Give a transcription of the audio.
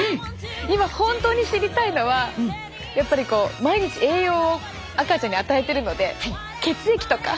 今本当に知りたいのはやっぱり毎日栄養を赤ちゃんに与えてるので血液とか？